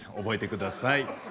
覚えてください。